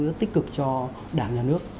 rất tích cực cho đảng nhà nước